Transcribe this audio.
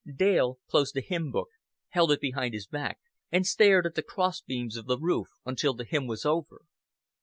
'" Dale closed the hymn book, held it behind his back, and stared at the cross beams of the roof until the hymn was over.